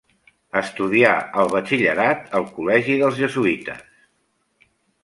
Estudià el batxillerat al Col·legi dels Jesuïtes.